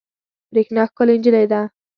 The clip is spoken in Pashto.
برېښنا ښکلې انجلۍ ده